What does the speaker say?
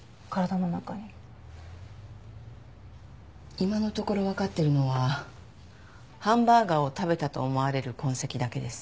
今のところわかってるのはハンバーガーを食べたと思われる痕跡だけです。